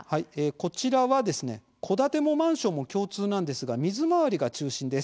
こちらはですね、戸建てもマンションも共通なんですが水回りが中心です。